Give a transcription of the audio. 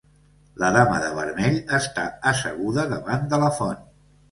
La dama de vermell està asseguda davant de la font.